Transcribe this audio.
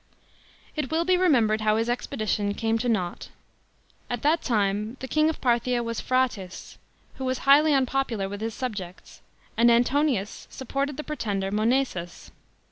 It will be remembered how his expedition came to nought. At that time, the king of Parthia was Phraates, who was highly unpopular with his subjects, and 38 3J B.C. THE ARMENIAN QUESTION. 119 Antonius supported the pretender Moneeses.